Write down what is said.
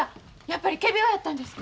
やっぱり仮病やったんですか？